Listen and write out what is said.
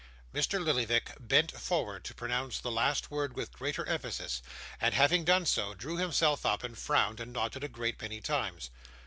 Mr. Lillyvick bent forward to pronounce the last word with greater emphasis; and having done so, drew himself up, and frowned and nodded a great many times.